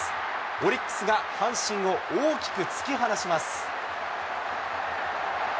オリックスが阪神を大きく突き放します。